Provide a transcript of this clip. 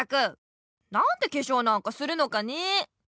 なんでけしょうなんかするのかねえ。